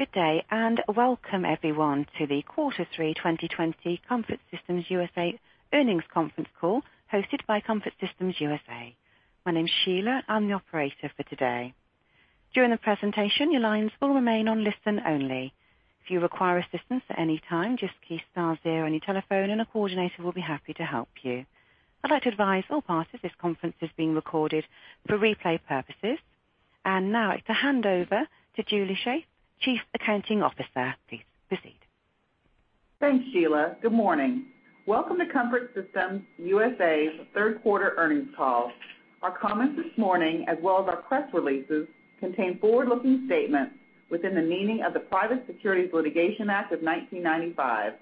Good day, and welcome everyone to the Quarter Three 2020 Comfort Systems USA earnings conference call hosted by Comfort Systems USA. My name's Sheila, and I'm the operator for today. During the presentation, your lines will remain on listen only. If you require assistance at any time, just keep star zero on your telephone, and a coordinator will be happy to help you. I'd like to advise all parties this conference is being recorded for replay purposes. Now, to hand over to Julie Shaeff, Chief Accounting Officer, please proceed. Thanks, Sheila. Good morning. Welcome to Comfort Systems USA's third quarter earnings call. Our comments this morning, as well as our press releases, contain forward-looking statements within the meaning of the Private Securities Litigation Act of 1995.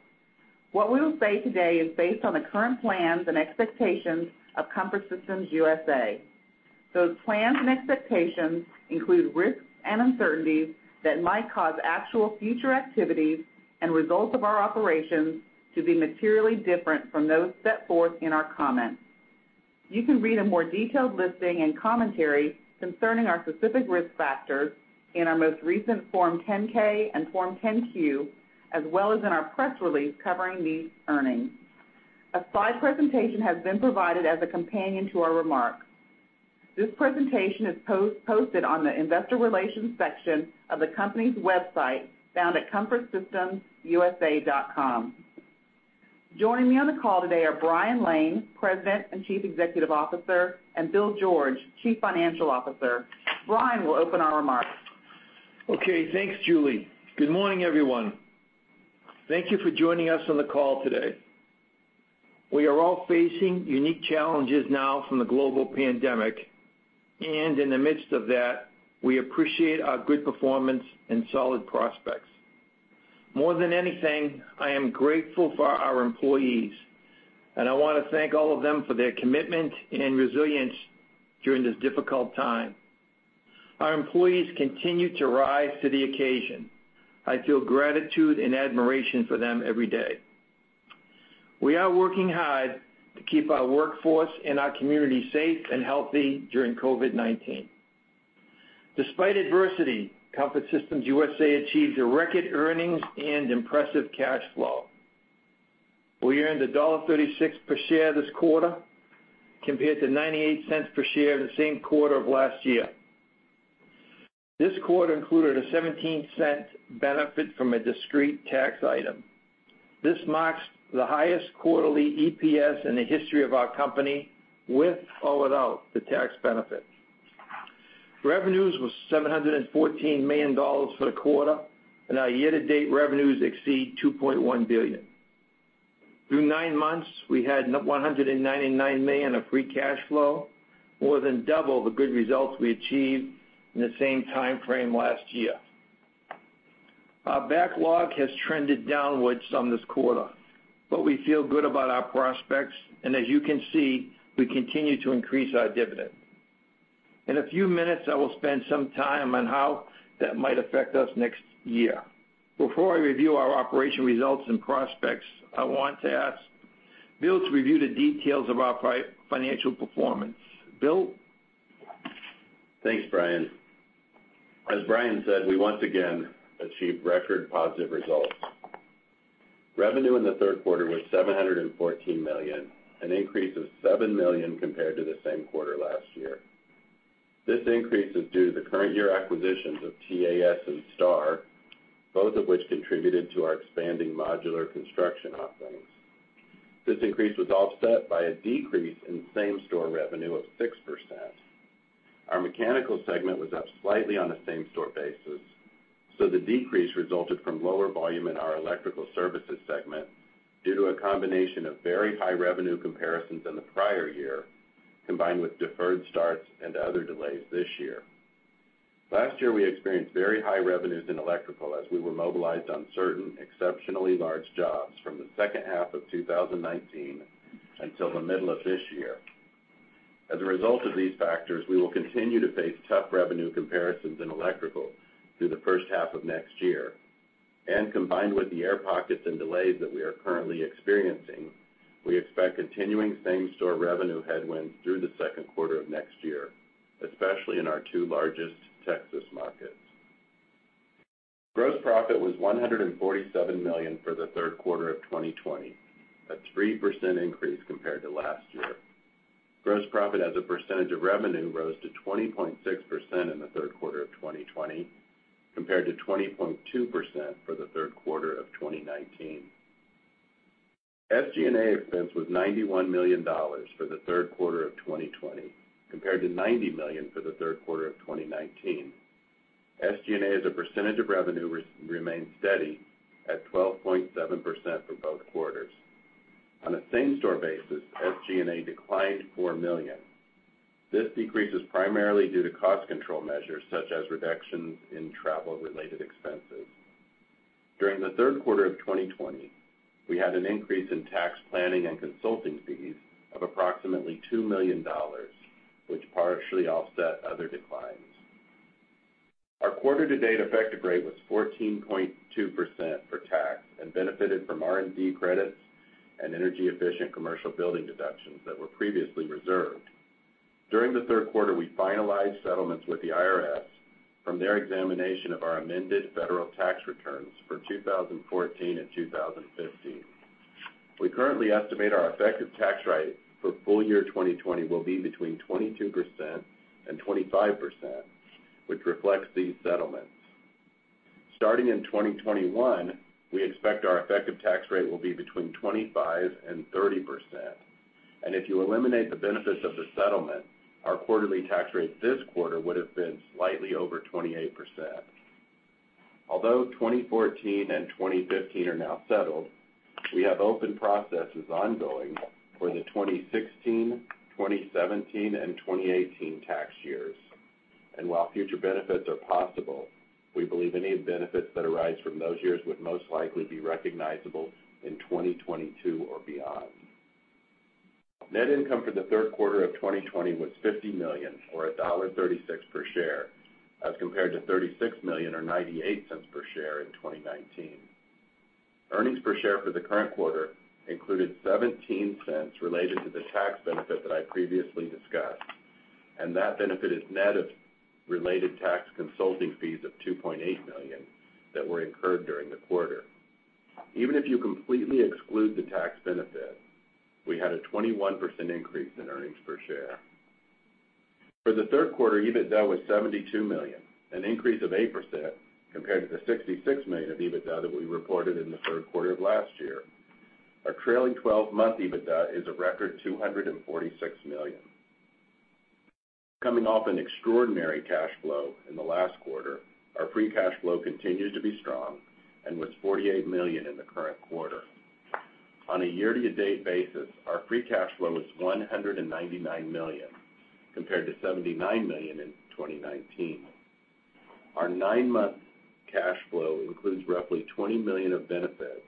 What we will say today is based on the current plans and expectations of Comfort Systems USA. Those plans and expectations include risks and uncertainties that might cause actual future activities and results of our operations to be materially different from those set forth in our comments. You can read a more detailed listing and commentary concerning our specific risk factors in our most recent Form 10-K and Form 10-Q, as well as in our press release covering these earnings. A slide presentation has been provided as a companion to our remarks. This presentation is posted on the investor relations section of the company's website found at comfortsystemsusa.com. Joining me on the call today are Brian Lane, President and Chief Executive Officer, and Bill George, Chief Financial Officer. Brian will open our remarks. Okay, thanks, Julie. Good morning, everyone. Thank you for joining us on the call today. We are all facing unique challenges now from the global pandemic, and in the midst of that, we appreciate our good performance and solid prospects. More than anything, I am grateful for our employees, and I want to thank all of them for their commitment and resilience during this difficult time. Our employees continue to rise to the occasion. I feel gratitude and admiration for them every day. We are working hard to keep our workforce and our community safe and healthy during COVID-19. Despite adversity, Comfort Systems USA achieved record earnings and impressive cash flow. We earned $1.36 per share this quarter, compared to $0.98 per share in the same quarter of last year. This quarter included a $0.17 benefit from a discrete tax item. This marks the highest quarterly EPS in the history of our company, with or without the tax benefit. Revenues were $714 million for the quarter, and our year-to-date revenues exceed $2.1 billion. Through nine months, we had $199 million of free cash flow, more than double the good results we achieved in the same timeframe last year. Our backlog has trended downward some this quarter, but we feel good about our prospects, and as you can see, we continue to increase our dividend. In a few minutes, I will spend some time on how that might affect us next year. Before I review our operation results and prospects, I want to ask Bill to review the details of our financial performance. Bill? Thanks, Brian. As Brian said, we once again achieved record positive results. Revenue in the third quarter was $714 million, an increase of $7 million compared to the same quarter last year. This increase is due to the current year acquisitions of TAS and Starr, both of which contributed to our expanding modular construction offerings. This increase was offset by a decrease in same-store revenue of 6%. Our mechanical segment was up slightly on a same-store basis, so the decrease resulted from lower volume in our electrical services segment due to a combination of very high revenue comparisons in the prior year, combined with deferred starts and other delays this year. Last year, we experienced very high revenues in electrical as we were mobilized on certain exceptionally large jobs from the second half of 2019 until the middle of this year. As a result of these factors, we will continue to face tough revenue comparisons in electrical through the first half of next year. Combined with the air pockets and delays that we are currently experiencing, we expect continuing same-store revenue headwinds through the second quarter of next year, especially in our two largest Texas markets. Gross profit was $147 million for the third quarter of 2020, a 3% increase compared to last year. Gross profit as a percentage of revenue rose to 20.6% in the third quarter of 2020, compared to 20.2% for the third quarter of 2019. SG&A expense was $91 million for the third quarter of 2020, compared to $90 million for the third quarter of 2019. SG&A's percentage of revenue remained steady at 12.7% for both quarters. On a same-store basis, SG&A declined $4 million. This decrease is primarily due to cost control measures such as reductions in travel-related expenses. During the third quarter of 2020, we had an increase in tax planning and consulting fees of approximately $2 million, which partially offset other declines. Our quarter-to-date effective rate was 14.2% for tax and benefited from R&D credits and energy-efficient commercial building deductions that were previously reserved. During the third quarter, we finalized settlements with the IRS from their examination of our amended federal tax returns for 2014 and 2015. We currently estimate our effective tax rate for full year 2020 will be between 22%-25%, which reflects these settlements. Starting in 2021, we expect our effective tax rate will be between 25%-30%. If you eliminate the benefits of the settlement, our quarterly tax rate this quarter would have been slightly over 28%. Although 2014 and 2015 are now settled, we have open processes ongoing for the 2016, 2017, and 2018 tax years. While future benefits are possible, we believe any benefits that arise from those years would most likely be recognizable in 2022 or beyond. Net income for the third quarter of 2020 was $50 million, or $1.36 per share, as compared to $36 million, or $0.98 per share in 2019. Earnings per share for the current quarter included $0.17 related to the tax benefit that I previously discussed, and that benefit is net of related tax consulting fees of $2.8 million that were incurred during the quarter. Even if you completely exclude the tax benefit, we had a 21% increase in earnings per share. For the third quarter, EBITDA was $72 million, an increase of 8% compared to the $66 million of EBITDA that we reported in the third quarter of last year. Our trailing 12-month EBITDA is a record $246 million. Coming off an extraordinary cash flow in the last quarter, our free cash flow continues to be strong and was $48 million in the current quarter. On a year-to-date basis, our free cash flow is $199 million compared to $79 million in 2019. Our nine-month cash flow includes roughly $20 million of benefit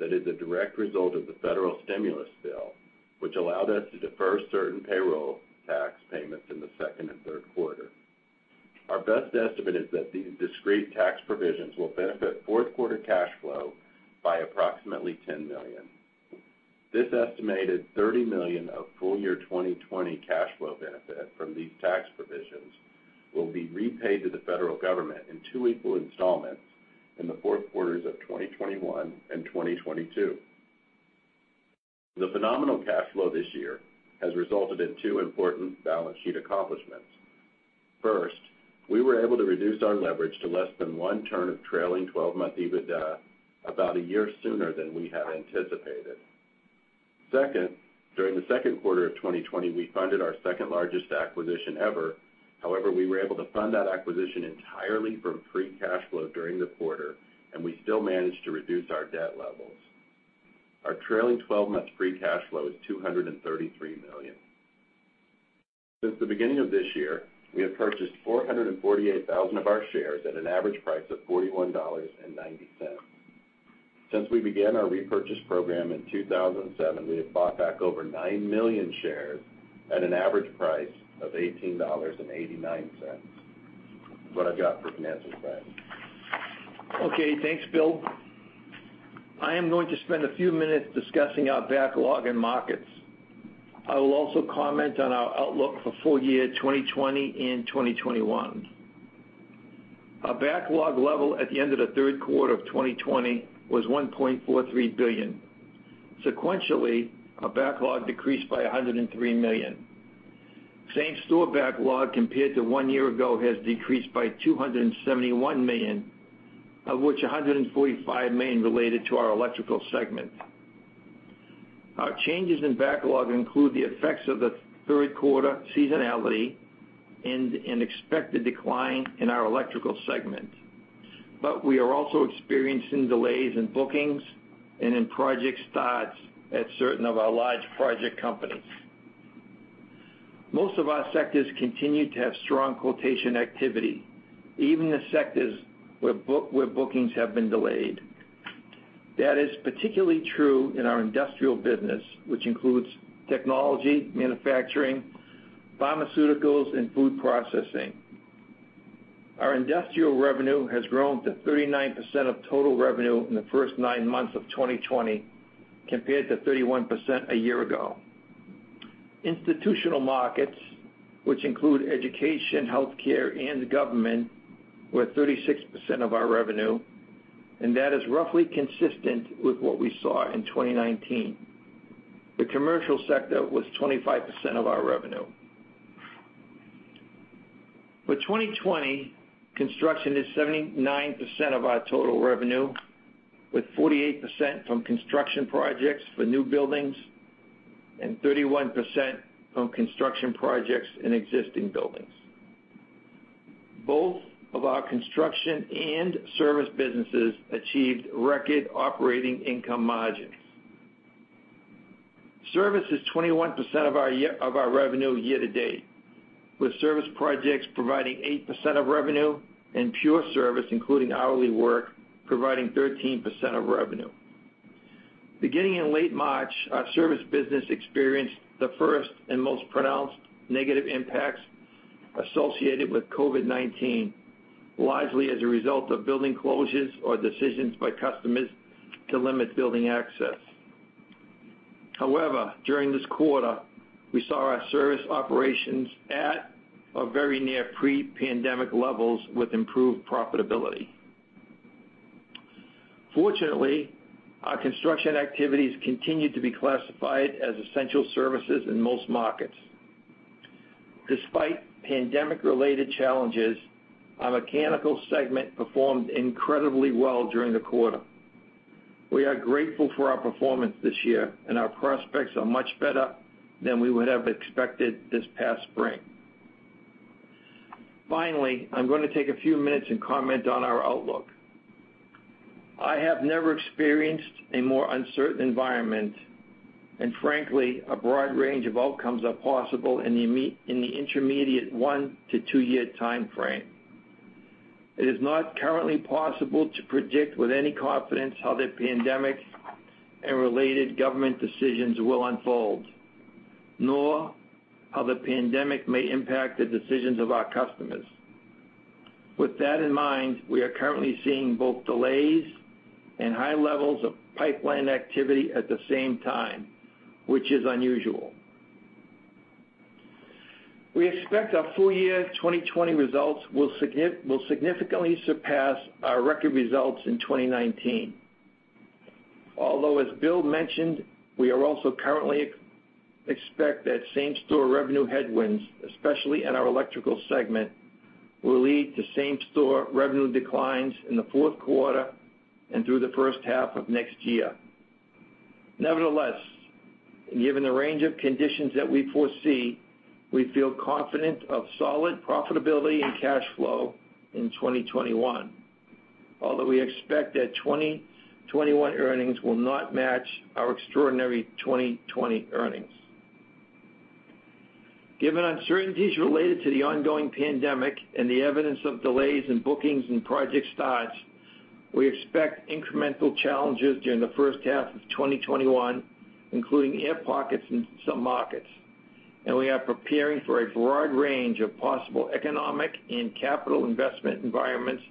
that is a direct result of the federal stimulus bill, which allowed us to defer certain payroll tax payments in the second and third quarter. Our best estimate is that these discrete tax provisions will benefit fourth-quarter cash flow by approximately $10 million. This estimated $30 million of full year 2020 cash flow benefit from these tax provisions will be repaid to the federal government in two equal installments in the fourth quarters of 2021 and 2022. The phenomenal cash flow this year has resulted in two important balance sheet accomplishments. First, we were able to reduce our leverage to less than one turn of trailing 12-month EBITDA about a year sooner than we had anticipated. Second, during the second quarter of 2020, we funded our second-largest acquisition ever. However, we were able to fund that acquisition entirely from free cash flow during the quarter, and we still managed to reduce our debt levels. Our trailing 12-month free cash flow is $233 million. Since the beginning of this year, we have purchased $448,000 of our shares at an average price of $41.90. Since we began our repurchase program in 2007, we have bought back over 9 million shares at an average price of $18.89. That's what I've got for financing credit. Okay, thanks, Bill. I am going to spend a few minutes discussing our backlog and markets. I will also comment on our outlook for full year 2020 and 2021. Our backlog level at the end of the third quarter of 2020 was $1.43 billion. Sequentially, our backlog decreased by $103 million. Same-store backlog compared to one year ago has decreased by $271 million, of which $145 million related to our electrical segment. Our changes in backlog include the effects of the third quarter seasonality and an expected decline in our electrical segment. We are also experiencing delays in bookings and in project starts at certain of our large project companies. Most of our sectors continue to have strong quotation activity, even the sectors where bookings have been delayed. That is particularly true in our industrial business, which includes technology, manufacturing, pharmaceuticals, and food processing. Our industrial revenue has grown to 39% of total revenue in the first nine months of 2020, compared to 31% a year ago. Institutional markets, which include education, healthcare, and government, were 36% of our revenue, and that is roughly consistent with what we saw in 2019. The commercial sector was 25% of our revenue. For 2020, construction is 79% of our total revenue, with 48% from construction projects for new buildings and 31% from construction projects in existing buildings. Both of our construction and service businesses achieved record operating income margins. Service is 21% of our revenue year-to-date, with service projects providing 8% of revenue, and pure service, including hourly work, providing 13% of revenue. Beginning in late March, our service business experienced the first and most pronounced negative impacts associated with COVID-19, largely as a result of building closures or decisions by customers to limit building access. However, during this quarter, we saw our service operations at or very near pre-pandemic levels with improved profitability. Fortunately, our construction activities continue to be classified as essential services in most markets. Despite pandemic-related challenges, our mechanical segment performed incredibly well during the quarter. We are grateful for our performance this year, and our prospects are much better than we would have expected this past spring. Finally, I'm going to take a few minutes and comment on our outlook. I have never experienced a more uncertain environment, and frankly, a broad range of outcomes are possible in the intermediate one to two-year timeframe. It is not currently possible to predict with any confidence how the pandemic and related government decisions will unfold, nor how the pandemic may impact the decisions of our customers. With that in mind, we are currently seeing both delays and high levels of pipeline activity at the same time, which is unusual. We expect our full year 2020 results will significantly surpass our record results in 2019. Although, as Bill mentioned, we are also currently expect that same-store revenue headwinds, especially in our electrical segment, will lead to same-store revenue declines in the fourth quarter and through the first half of next year. Nevertheless, given the range of conditions that we foresee, we feel confident of solid profitability and cash flow in 2021, although we expect that 2021 earnings will not match our extraordinary 2020 earnings. Given uncertainties related to the ongoing pandemic and the evidence of delays in bookings and project starts, we expect incremental challenges during the first half of 2021, including air pockets in some markets. We are preparing for a broad range of possible economic and capital investment environments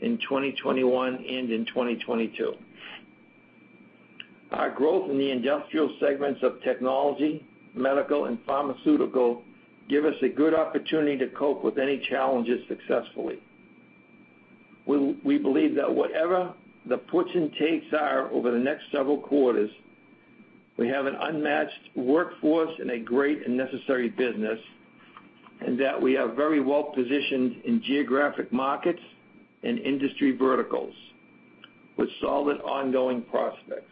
in 2021 and in 2022. Our growth in the industrial segments of technology, medical, and pharmaceutical gives us a good opportunity to cope with any challenges successfully. We believe that whatever the puts and takes are over the next several quarters, we have an unmatched workforce and a great and necessary business, and that we are very well positioned in geographic markets and industry verticals with solid ongoing prospects.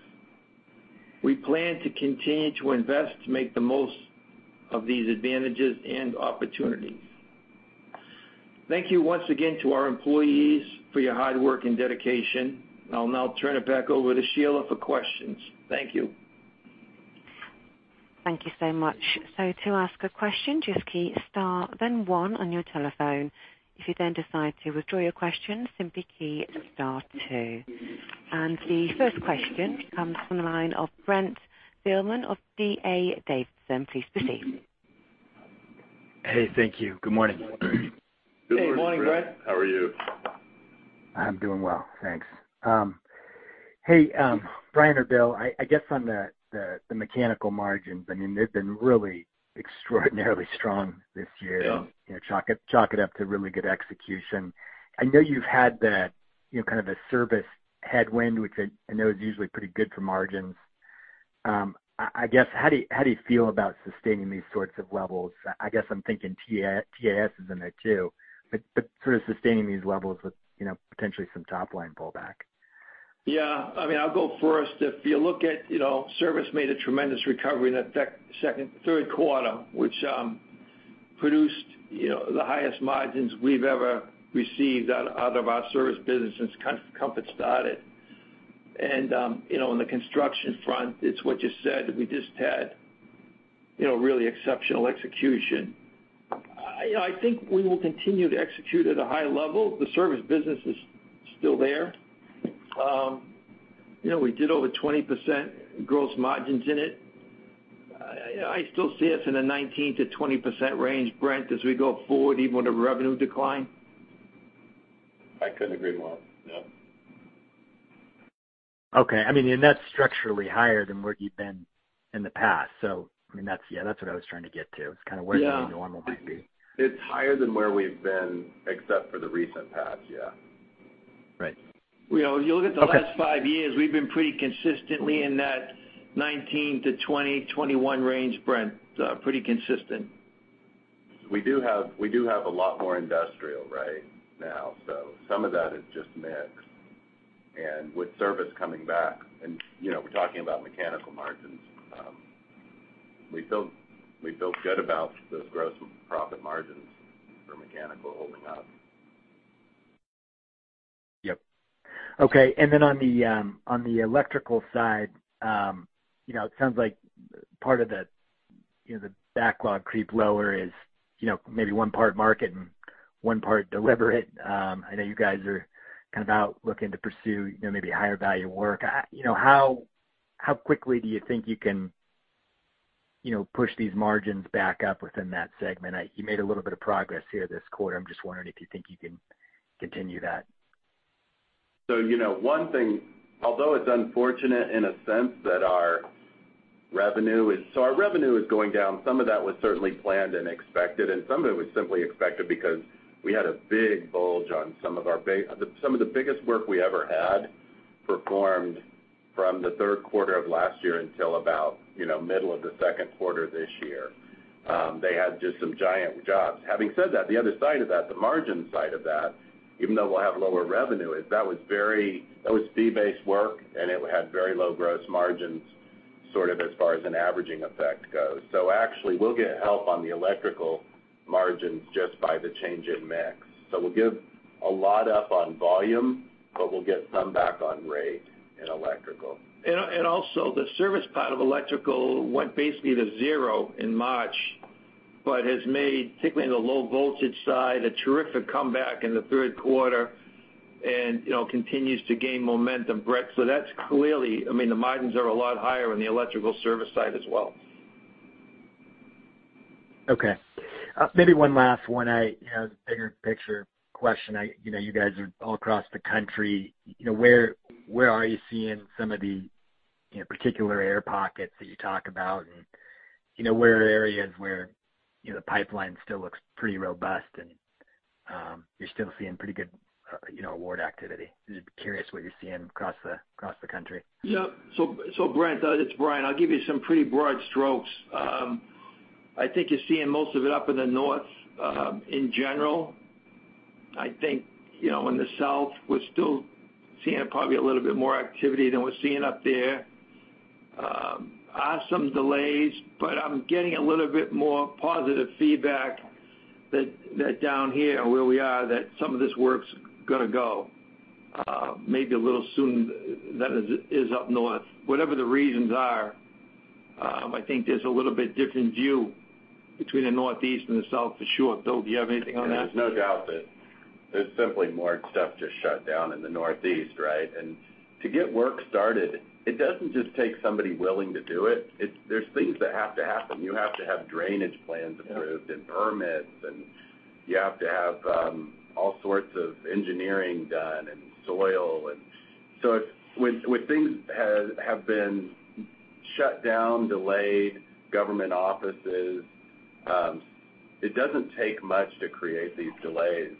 We plan to continue to invest to make the most of these advantages and opportunities. Thank you once again to our employees for your hard work and dedication. I'll now turn it back over to Sheila for questions. Thank you. Thank you so much. To ask a question, just key star then one on your telephone. If you then decide to withdraw your question, simply key star two. The first question comes from the line of Brent Thielman of D.A. Davidson. Please proceed. Hey, thank you. Good morning. Good morning, Brent. How are you? I'm doing well, thanks. Hey, Brian or Bill, I guess on the mechanical margins, I mean, they've been really extraordinarily strong this year, chalk it up to really good execution. I know you've had kind of a service headwind, which I know is usually pretty good for margins. I guess, how do you feel about sustaining these sorts of levels? I guess I'm thinking TAS is in there too, but sort of sustaining these levels with potentially some top-line pullback. Yeah, I mean, I'll go first. If you look at service, it made a tremendous recovery in the third quarter, which produced the highest margins we've ever received out of our service business since Comfort started. On the construction front, it's what you said. We just had really exceptional execution. I think we will continue to execute at a high level. The service business is still there. We did over 20% gross margins in it. I still see us in a 19%-20% range, Brent, as we go forward, even with a revenue decline. I couldn't agree more. Yeah. Okay. I mean, and that's structurally higher than where you've been in the past. I mean, yeah, that's what I was trying to get to. It's kind of where the new normal might be. Yeah. It's higher than where we've been except for the recent past, yeah. Right. You look at the last five years, we've been pretty consistently in that 19%, 20%, 21% range, Brent, pretty consistent. We do have a lot more industrial right now, so some of that is just mix and with service coming back. We're talking about mechanical margins. We feel good about those gross profit margins for mechanical holding up. Yep. Okay. On the electrical side, it sounds like part of the backlog creep lower is maybe one-part market and one-part delivery. I know you guys are kind of out looking to pursue maybe higher value work. How quickly do you think you can push these margins back up within that segment? You made a little bit of progress here this quarter. I'm just wondering if you think you can continue that. One thing, although it's unfortunate in a sense that our revenue is going down, some of that was certainly planned and expected, and some of it was simply expected because we had a big bulge on some of the biggest work we ever had performed from the third quarter of last year until about middle of the second quarter this year. They had just some giant jobs. Having said that, the other side of that, the margin side of that, even though we'll have lower revenue, that was fee-based work, and it had very low gross margins sort of as far as an averaging effect goes. Actually, we'll get help on the electrical margins just by the change in mix. We'll give a lot up on volume, but we'll get some back on rate in electrical. The service part of electrical went basically to zero in March, but has made, particularly on the low voltage side, a terrific comeback in the third quarter and continues to gain momentum, Brent. That is clearly, I mean, the margins are a lot higher on the electrical service side as well. Okay. Maybe one last one, a bigger picture question. You guys are all across the country. Where are you seeing some of the particular air pockets that you talk about, and where are areas where the pipeline still looks pretty robust and you're still seeing pretty good award activity? Curious what you're seeing across the country. Yeah. So Brent, it's Brian. I'll give you some pretty broad strokes. I think you're seeing most of it up in the north in general. I think in the south, we're still seeing probably a little bit more activity than we're seeing up there. Awesome delays, but I'm getting a little bit more positive feedback that down here where we are, that some of this work's going to go, maybe a little sooner than it is up north. Whatever the reasons are, I think there's a little bit different view between the northeast and the south for sure. Bill, do you have anything on that? There's no doubt that there's simply more stuff just shut down in the Northeast, right? To get work started, it doesn't just take somebody willing to do it. There are things that have to happen. You have to have drainage plans approved and permits, and you have to have all sorts of engineering done and soil. When things have been shut down, delayed, government offices, it doesn't take much to create these delays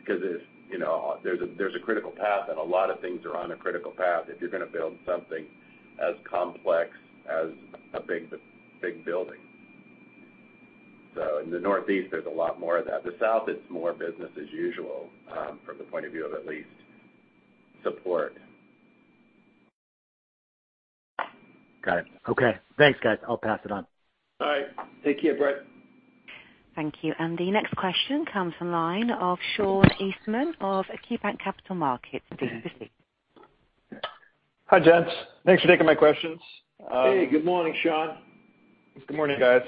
because there's a critical path, and a lot of things are on a critical path if you're going to build something as complex as a big building. In the Northeast, there's a lot more of that. The South, it's more business as usual from the point of view of at least support. Got it. Okay. Thanks, guys. I'll pass it on. All right. Thank you, Brent. Thank you. The next question comes from Sean Eastman of KeyBanc Capital Markets. Please proceed. Hi, gents. Thanks for taking my questions. Hey, good morning, Sean. Good morning, guys.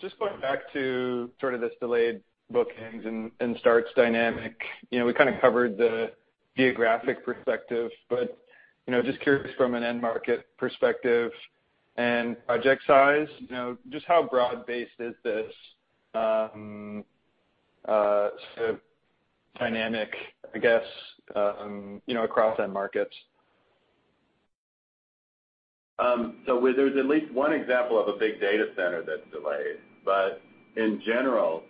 Just going back to sort of this delayed bookings and starts dynamic, we kind of covered the geographic perspective, but just curious from an end market perspective and project size, just how broad-based is this sort of dynamic, I guess, across end markets? There is at least one example of a big data center that's delayed. In general,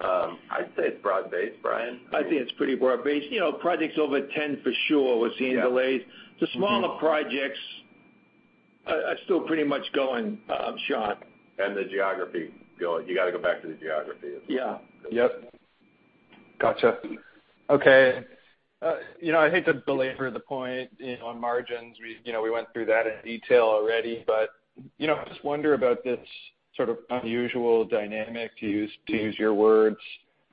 I'd say it's broad-based, Brian. I think it's pretty broad-based. Projects over 10 for sure we're seeing delays. The smaller projects are still pretty much going, Sean. You got to go back to the geography. Yeah. Yep. Gotcha. Okay. I hate to belabor the point on margins. We went through that in detail already, but I just wonder about this sort of unusual dynamic, to use your words,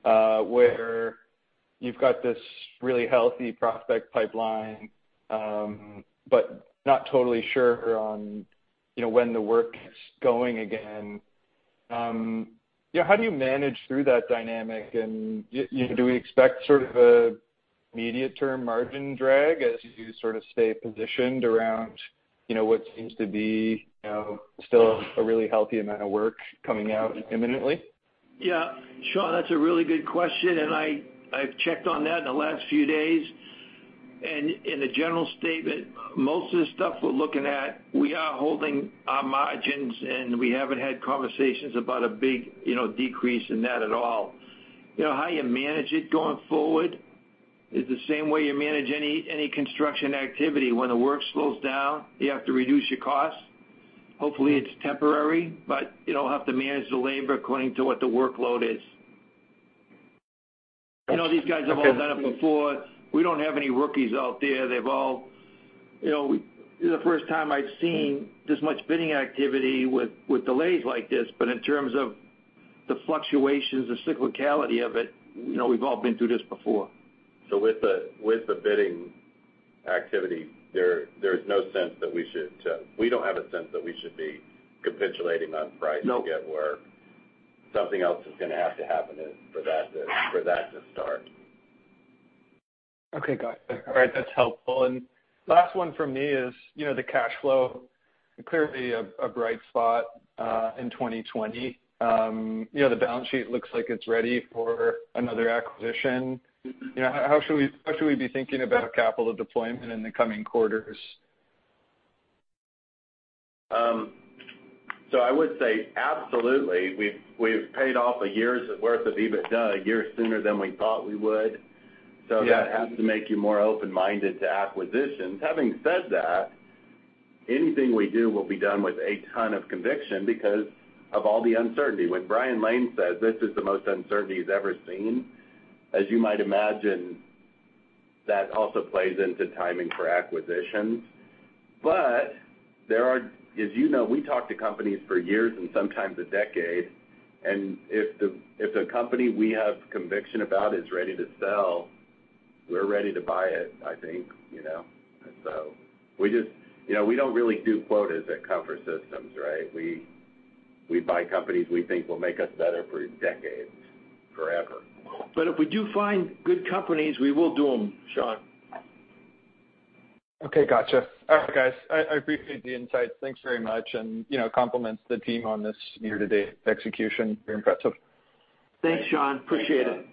where you've got this really healthy prospect pipeline, but not totally sure on when the work is going again. How do you manage through that dynamic? Do we expect sort of an immediate-term margin drag as you sort of stay positioned around what seems to be still a really healthy amount of work coming out imminently? Yeah. Sean, that's a really good question. I've checked on that in the last few days. In the general statement, most of the stuff we're looking at, we are holding our margins, and we haven't had conversations about a big decrease in that at all. How you manage it going forward is the same way you manage any construction activity. When the work slows down, you have to reduce your costs. Hopefully, it's temporary, but you'll have to manage the labor according to what the workload is. These guys have all done it before. We don't have any rookies out there. The first time I've seen this much bidding activity with delays like this. In terms of the fluctuations, the cyclicality of it, we've all been through this before. With the bidding activity, there is no sense that we should—we do not have a sense that we should be capitulating on price to get where something else is going to have to happen for that to start. Okay. Got it. All right. That's helpful. Last one from me is the cash flow. Clearly, a bright spot in 2020. The balance sheet looks like it's ready for another acquisition. How should we be thinking about capital deployment in the coming quarters? I would say absolutely. We've paid off a year's worth of EBITDA a year sooner than we thought we would. That has to make you more open-minded to acquisitions. Having said that, anything we do will be done with a ton of conviction because of all the uncertainty. When Brian Lane said, "This is the most uncertainty he's ever seen," as you might imagine, that also plays into timing for acquisitions. As you know, we talk to companies for years and sometimes a decade. If the company we have conviction about is ready to sell, we're ready to buy it, I think. We don't really do quotas at Comfort Systems USA, right? We buy companies we think will make us better for decades, forever. If we do find good companies, we will do them, Sean. Okay. Gotcha. All right, guys. I appreciate the insights. Thanks very much. Compliments to the team on this year-to-date execution. Very impressive. Thanks, Sean. Appreciate it.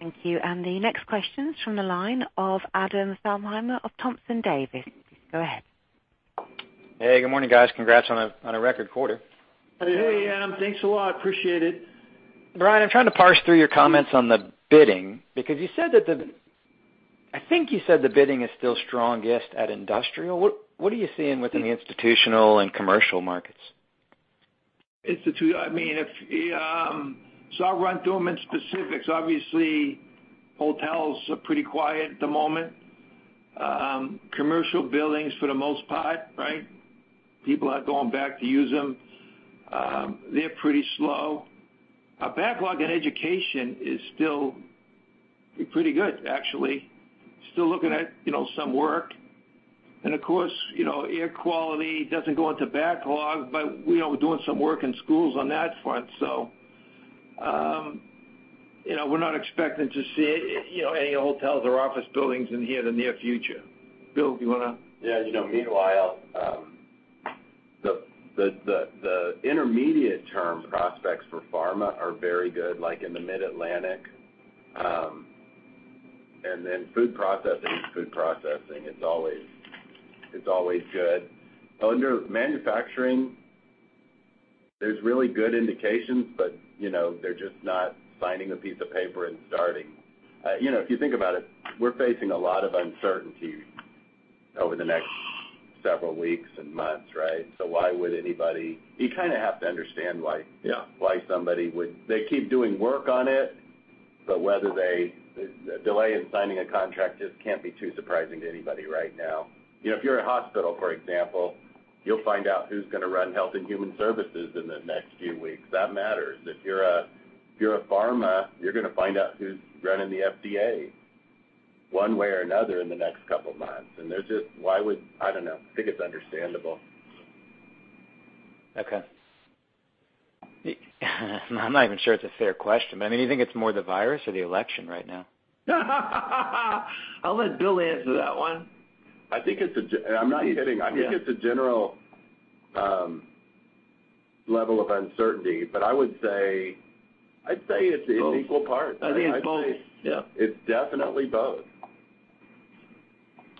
Thank you. The next question is from the line of Adam Thalhimer of Thompson Davis. Go ahead. Hey, good morning, guys. Congrats on a record quarter. Hey, Adam. Thanks a lot. Appreciate it. Brian, I'm trying to parse through your comments on the bidding because you said that—I think you said the bidding is still strongest at industrial. What are you seeing within the institutional and commercial markets? I mean, I'll run through them in specifics. Obviously, hotels are pretty quiet at the moment. Commercial buildings, for the most part, right? People are going back to use them. They're pretty slow. Our backlog in education is still pretty good, actually. Still looking at some work. Of course, air quality doesn't go into backlog, but we're doing some work in schools on that front. We're not expecting to see any hotels or office buildings in here in the near future. Bill, do you want to? Yeah. Meanwhile, the intermediate-term prospects for pharma are very good, like in the Mid-Atlantic. And then food processing, food processing, it's always good. Under manufacturing, there's really good indications, but they're just not signing the piece of paper and starting. If you think about it, we're facing a lot of uncertainty over the next several weeks and months, right? So why would anybody—you kind of have to understand why somebody would—they keep doing work on it, but whether they delay in signing a contract just can't be too surprising to anybody right now. If you're a hospital, for example, you'll find out who's going to run Health and Human Services in the next few weeks. That matters. If you're a pharma, you're going to find out who's running the FDA one way or another in the next couple of months. And there's just—why would—I don't know. I think it's understandable. Okay. I'm not even sure it's a fair question, but I mean, do you think it's more the virus or the election right now? I'll let Bill answer that one. I think it's a—I think it's a general level of uncertainty, but I would say—I'd say it's an equal part. I think it's both. It's definitely both.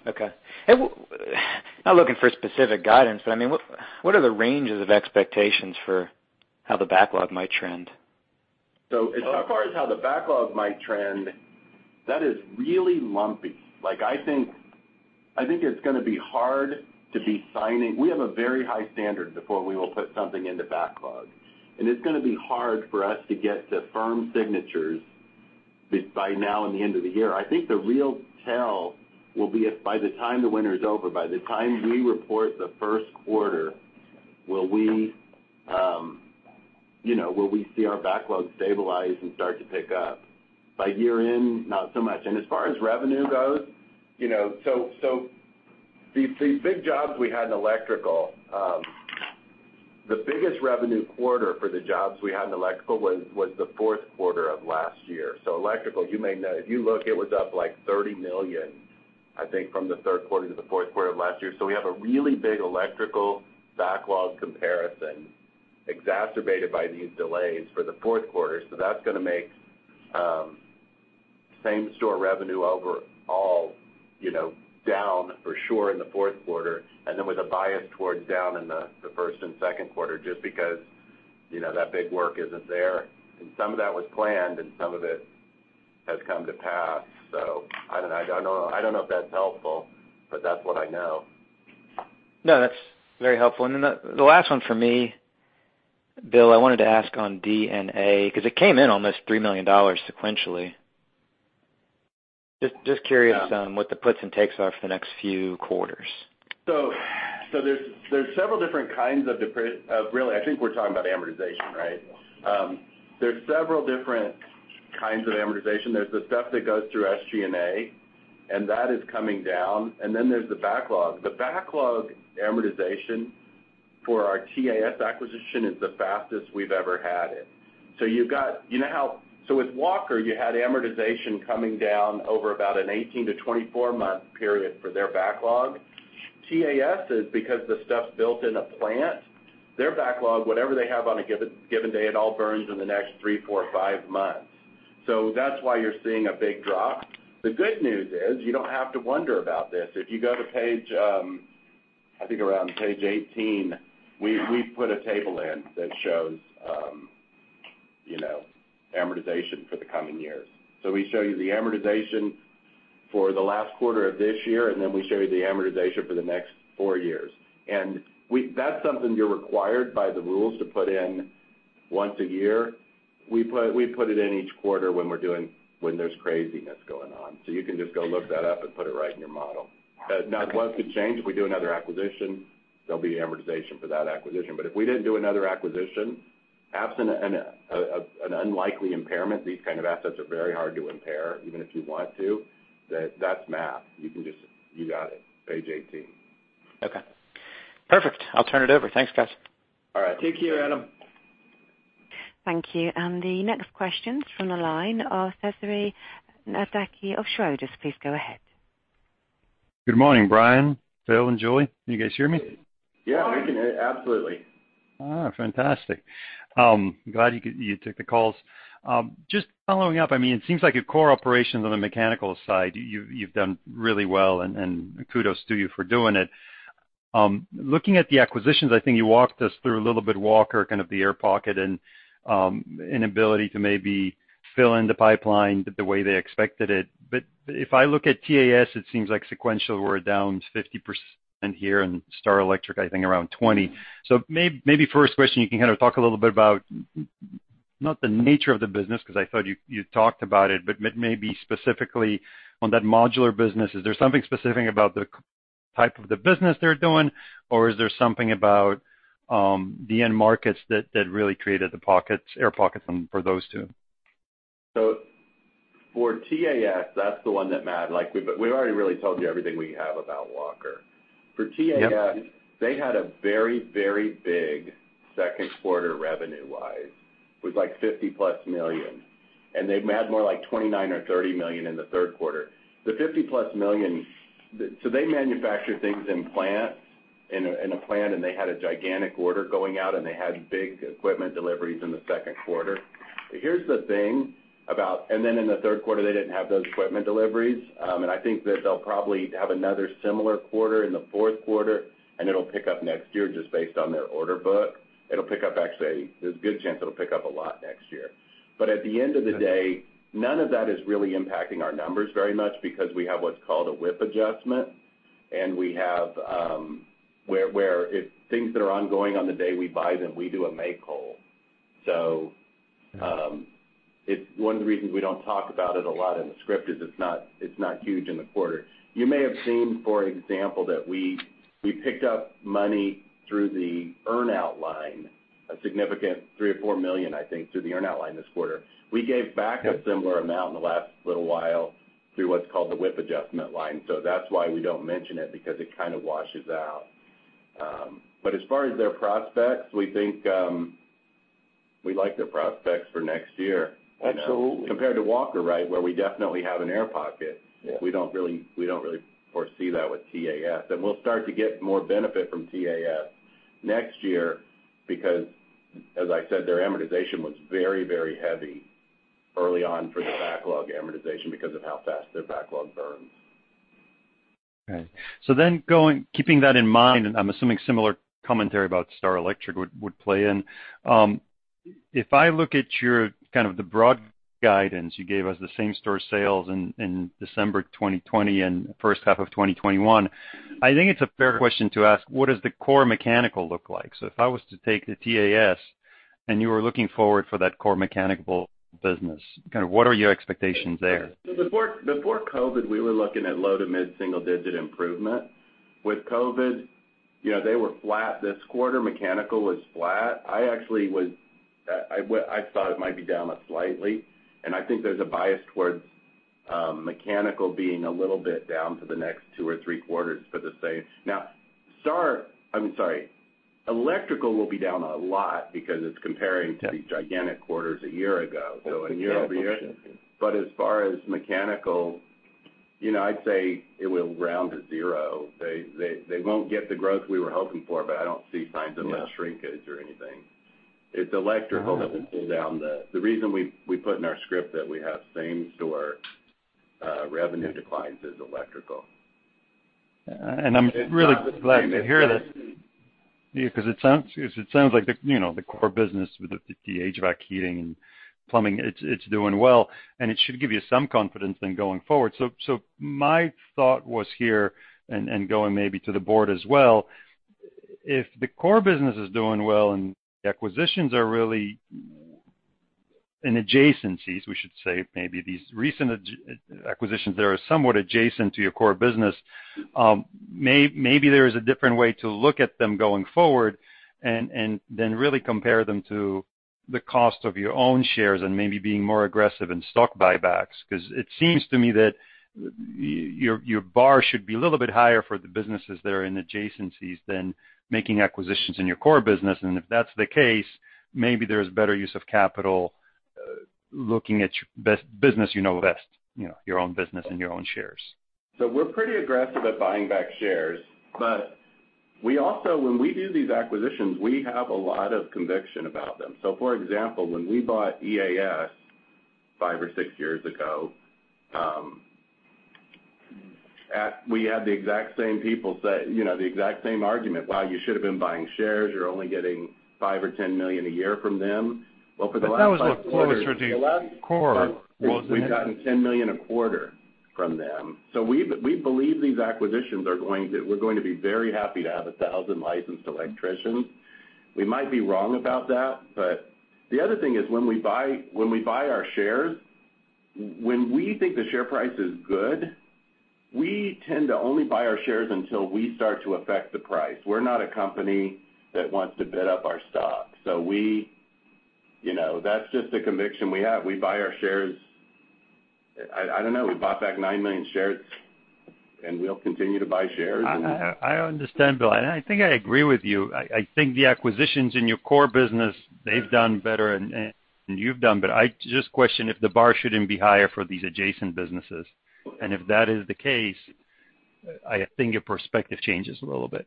Okay. Not looking for specific guidance, but I mean, what are the ranges of expectations for how the backlog might trend? As far as how the backlog might trend, that is really lumpy. I think it's going to be hard to be signing. We have a very high standard before we will put something into backlog. It's going to be hard for us to get to firm signatures by now and the end of the year. I think the real tell will be if by the time the winter's over, by the time we report the first quarter, will we see our backlog stabilize and start to pick up? By year-end, not so much. As far as revenue goes, the big jobs we had in electrical, the biggest revenue quarter for the jobs we had in electrical was the fourth quarter of last year. Electrical, you may know, if you look, it was up like $30 million, I think, from the third quarter to the fourth quarter of last year. We have a really big electrical backlog comparison exacerbated by these delays for the fourth quarter. That is going to make same-store revenue overall down for sure in the fourth quarter, and then with a bias towards down in the first and second quarter just because that big work is not there. Some of that was planned, and some of it has come to pass. I do not know. I do not know if that is helpful, but that is what I know. No, that's very helpful. The last one for me, Bill, I wanted to ask on D&A because it came in almost $3 million sequentially. Just curious what the puts and takes are for the next few quarters. There are several different kinds of—really, I think we're talking about amortization, right? There are several different kinds of amortization. There is the stuff that goes through SG&A, and that is coming down. Then there is the backlog. The backlog amortization for our TAS acquisition is the fastest we've ever had it. You know how with Walker, you had amortization coming down over about an 18-24 month period for their backlog. TAS is because the stuff is built in a plant. Their backlog, whatever they have on a given day, it all burns in the next three, four, five months. That is why you're seeing a big drop. The good news is you do not have to wonder about this. If you go to page, I think around page 18, we put a table in that shows amortization for the coming years. We show you the amortization for the last quarter of this year, and then we show you the amortization for the next four years. That is something you are required by the rules to put in once a year. We put it in each quarter when there is craziness going on. You can just go look that up and put it right in your model. Now, if it changed, we do another acquisition, there will be amortization for that acquisition. If we did not do another acquisition, absent an unlikely impairment, these kind of assets are very hard to impair, even if you want to. That is math. You got it. Page 18. Okay. Perfect. I'll turn it over. Thanks, guys. All right. Take care, Adam. Thank you. The next question from the line of Cesare Nardacchi of Schroders. Please go ahead. Good morning, Brian, Bill, and Julie. Can you guys hear me? Yeah. We can hear you. Absolutely. Fantastic. Glad you took the calls. Just following up, I mean, it seems like your core operations on the mechanical side, you've done really well, and kudos to you for doing it. Looking at the acquisitions, I think you walked us through a little bit Walker, kind of the air pocket and inability to maybe fill in the pipeline the way they expected it. If I look at TAS, it seems like sequential were down 50% here and Starr Electric, I think, around 20%. Maybe first question, you can kind of talk a little bit about not the nature of the business because I thought you talked about it, but maybe specifically on that modular business. Is there something specific about the type of the business they're doing, or is there something about the end markets that really created the air pockets for those two? For TAS, that's the one that mattered. We've already really told you everything we have about Walker. For TAS, they had a very, very big second quarter revenue-wise. It was like $50 million-plus. And they had more like $29 million or $30 million in the third quarter. The $50 million-plus, so they manufacture things in a plant, and they had a gigantic order going out, and they had big equipment deliveries in the second quarter. Here's the thing about—in the third quarter, they didn't have those equipment deliveries. I think that they'll probably have another similar quarter in the fourth quarter, and it'll pick up next year just based on their order book. It'll pick up, actually, there's a good chance it'll pick up a lot next year. At the end of the day, none of that is really impacting our numbers very much because we have what's called a WIP adjustment, and we have where if things that are ongoing on the day we buy them, we do a make hole. One of the reasons we do not talk about it a lot in the script is it is not huge in the quarter. You may have seen, for example, that we picked up money through the earn-out line, a significant $3 million or $4 million, I think, through the earn-out line this quarter. We gave back a similar amount in the last little while through what is called the WIP adjustment line. That is why we do not mention it because it kind of washes out. As far as their prospects, we think we like their prospects for next year. Absolutely. Compared to Walker, right, where we definitely have an air pocket, we don't really foresee that with TAS. We will start to get more benefit from TAS next year because, as I said, their amortization was very, very heavy early on for the backlog amortization because of how fast their backlog burns. Okay. Keeping that in mind, and I'm assuming similar commentary about Starr Electric would play in. If I look at your kind of the broad guidance you gave us, the same-store sales in December 2020 and first half of 2021, I think it's a fair question to ask, what does the core mechanical look like? If I was to take the TAS and you were looking forward for that core mechanical business, kind of what are your expectations there? Before COVID, we were looking at low to mid-single-digit improvement. With COVID, they were flat this quarter. Mechanical was flat. I actually was—I thought it might be down slightly. I think there's a bias towards mechanical being a little bit down for the next two or three quarters for the same. Now, Starr—I mean, sorry. Electrical will be down a lot because it's comparing to these gigantic quarters a year ago, so a year over year. As far as mechanical, I'd say it will round to zero. They won't get the growth we were hoping for, but I don't see signs of much shrinkage or anything. It's electrical that will pull down the—the reason we put in our script that we have same-store revenue declines is electrical. I'm really glad to hear that because it sounds like the core business with the HVAC heating and plumbing, it's doing well. It should give you some confidence then going forward. My thought was here, and going maybe to the board as well, if the core business is doing well and the acquisitions are really in adjacencies, we should say, maybe these recent acquisitions that are somewhat adjacent to your core business, maybe there is a different way to look at them going forward and then really compare them to the cost of your own shares and maybe being more aggressive in stock buybacks because it seems to me that your bar should be a little bit higher for the businesses that are in adjacencies than making acquisitions in your core business. If that's the case, maybe there's better use of capital looking at the business you know best, your own business and your own shares. We're pretty aggressive at buying back shares. When we do these acquisitions, we have a lot of conviction about them. For example, when we bought EAS five or six years ago, we had the exact same people say the exact same argument, "Wow, you should have been buying shares. You're only getting $5 million or $10 million a year from them." For the last quarter. That was closer to core. We've gotten $10 million a quarter from them. We believe these acquisitions are going to—we're going to be very happy to have 1,000 licensed electricians. We might be wrong about that, but the other thing is when we buy our shares, when we think the share price is good, we tend to only buy our shares until we start to affect the price. We're not a company that wants to bid up our stock. That's just the conviction we have. We buy our shares. I don't know. We bought back 9 million shares, and we'll continue to buy shares. I understand, Bill. I think I agree with you. I think the acquisitions in your core business, they've done better, and you've done better. I just question if the bar shouldn't be higher for these adjacent businesses. If that is the case, I think your perspective changes a little bit.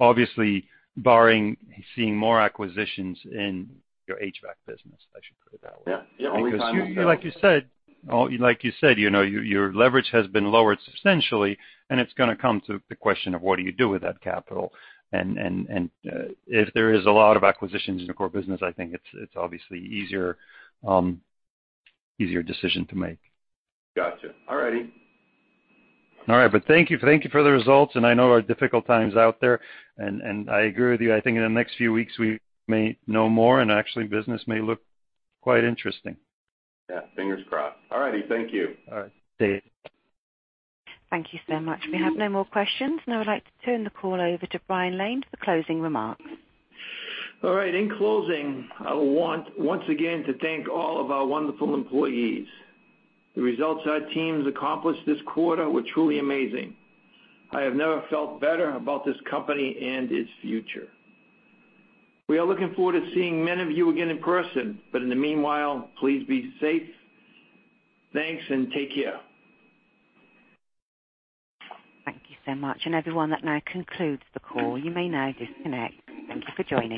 Obviously, barring seeing more acquisitions in your HVAC business, I should put it that way. Yeah. Like you said, your leverage has been lowered substantially, and it's going to come to the question of what do you do with that capital. If there is a lot of acquisitions in your core business, I think it's obviously an easier decision to make. Gotcha. All righty. All right. Thank you for the results. I know there are difficult times out there. I agree with you. I think in the next few weeks, we may know more, and actually, business may look quite interesting. Yeah. Fingers crossed. All righty. Thank you. All right. Thank you so much. We have no more questions. Now I'd like to turn the call over to Brian Lane for closing remarks. All right. In closing, I want once again to thank all of our wonderful employees. The results our teams accomplished this quarter were truly amazing. I have never felt better about this company and its future. We are looking forward to seeing many of you again in person. In the meanwhile, please be safe. Thanks and take care. Thank you so much. Everyone, that now concludes the call. You may now disconnect. Thank you for joining.